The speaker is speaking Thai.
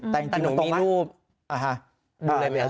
แต่หนูมีรูป